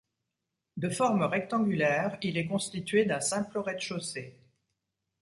De forme rectangulaire, il est constitué d'un simple rez-de-chaussée.